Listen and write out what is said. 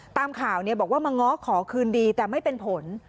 ตามข่าวบอกว่ามาง้อขอคืนดีแต่ไม่เป็นผล